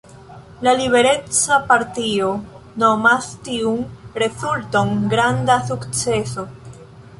La Libereca Partio nomas tiun rezulton granda sukceso.